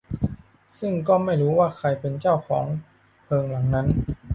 ซึ่งก็ไม่รู้ว่าใครเป็นเจ้าของเพิงหลังนั้น